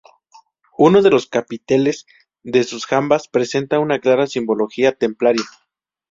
Uno de los capiteles de sus jambas presenta una clara simbología templaria.